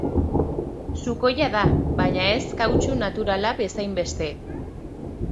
Sukoia da, baina ez kautxu naturala bezainbeste.